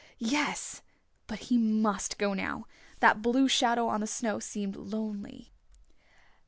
Yes. But he must go now. That blue shadow on the snow seemed lonely.